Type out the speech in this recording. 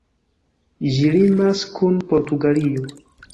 Ĝi limas kun Portugalio.